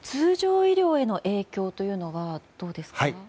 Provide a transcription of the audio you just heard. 通常医療への影響というのはどうですか？